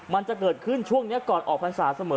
มันจะเกิดขึ้นช่วงนี้ก่อนออกพรรษาเสมอ